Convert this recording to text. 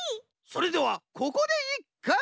それではここでいっく。